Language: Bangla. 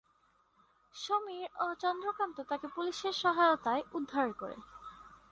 সমীর ও চন্দ্রকান্ত তাকে পুলিশের সহায়তায় উদ্ধার করে।